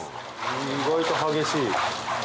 意外と激しい。